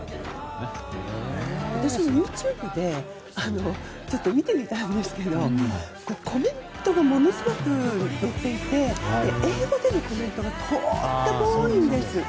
私、ＹｏｕＴｕｂｅで見てみたんですけどコメントがものすごく載っていて英語でのコメントがとっても多いんです。